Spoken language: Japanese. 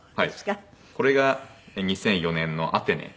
これが２００４年のアテネ。